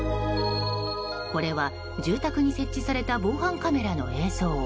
これは住宅に設置された防犯カメラの映像。